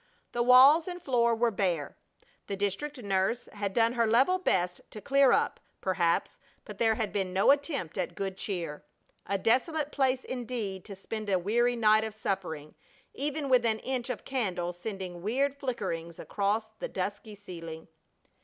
The walls and floor were bare. The district nurse had done her level best to clear up, perhaps, but there had been no attempt at good cheer. A desolate place indeed to spend a weary night of suffering, even with an inch of candle sending weird flickerings across the dusky ceiling.